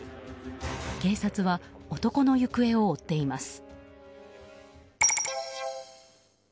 警察は男の行方を追っています。